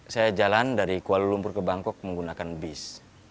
saya jalan dari kuala lumpur ke bangkok menggunakan bis